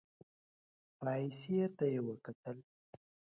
پايڅې ته يې وکتل.